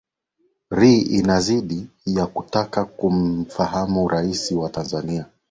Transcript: ri inazidi ya kutaka kumfahamu rais wa tanzania